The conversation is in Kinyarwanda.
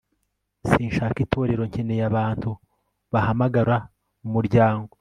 sinshaka itorero nkeneye abantu bahamagara umuryango